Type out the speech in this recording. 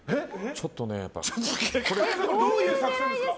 どういう作戦ですか？